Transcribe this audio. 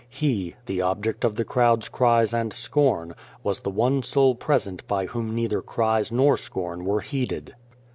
He, the object of the crowd's cries and scorn, was the one soul present by whom neither cries nor scorn were heeded.